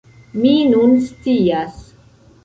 Mi nun scias!